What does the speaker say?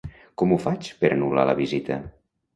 Com ho faig per a anul·lar la visita?